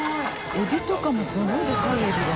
エビとかもすごいでかいエビが。